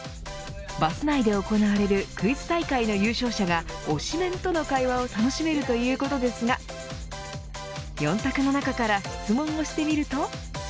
バス内で行われるクイズ大会の優勝者が推しメンとの会話を楽しめるということですが４択の中から質問をしてみると。